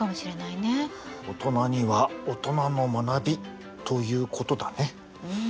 オトナにはオトナの学びということだね。